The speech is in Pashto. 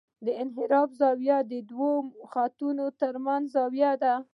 د انحراف زاویه د دوه خطونو ترمنځ زاویه ده